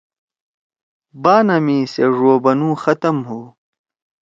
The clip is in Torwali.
بانا می سے ڙو بنُو ختم ہُو۔